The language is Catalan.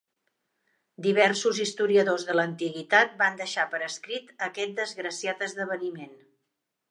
Diversos historiadors de l'antiguitat van deixar per escrit aquest desgraciat esdeveniment.